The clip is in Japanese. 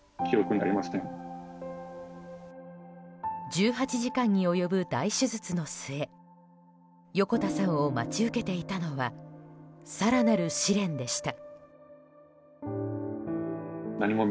１８時間に及ぶ大手術の末横田さんを待ち受けていたのは更なる試練でした。